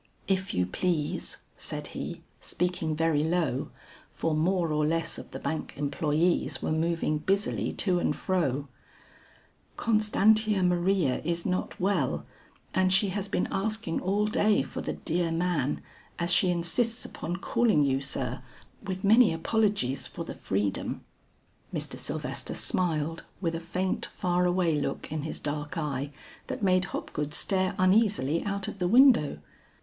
"If you please," said he, speaking very low, for more or less of the bank employees were moving busily to and fro, "Constantia Maria is not well and she has been asking all day for the dear man, as she insists upon calling you, sir, with many apologies for the freedom." Mr. Sylvester smiled with a faint far away look in his dark eye that made Hopgood stare uneasily out of the window.